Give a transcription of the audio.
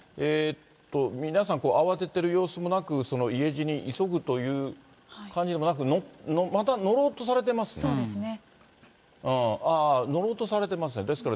皆さん、慌ててる様子もなく、家路に急ぐという感じでもなく、また乗ろうとされてますね。